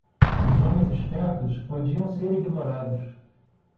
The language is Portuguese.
Os homens espertos podiam ser ignorados.